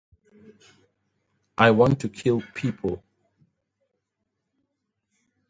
I want to kill people.